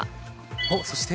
おっそして。